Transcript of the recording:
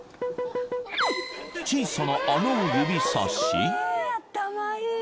［小さな穴を指さし］